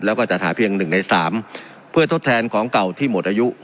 แล้วก็จัดหาเพียงหนึ่งในสามเพื่อทดแทนของเก่าที่หมดอายุ